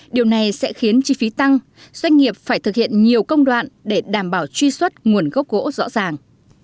điều này sẽ khiến chi phí tăng doanh nghiệp phải thực hiện nhiều công đoạn để đảm bảo truy xuất nguồn gốc gỗ rõ ràng